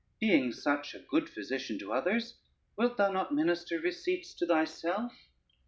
Being such a good physician to others, wilt thou not minister receipts to thyself?